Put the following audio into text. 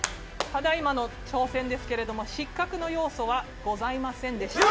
ただいまの挑戦ですけれども、失格の要素はございませんでした。